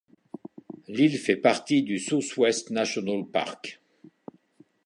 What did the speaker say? L'île fait partie du Southwest National Park.